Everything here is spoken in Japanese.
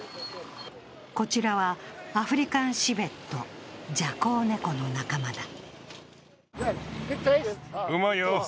こちらはアフリカン・シヴェット、ジャコウネコの仲間だ。